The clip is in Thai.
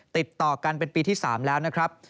ติดต่อกันเป็นปีที่๓แล้วนะครับ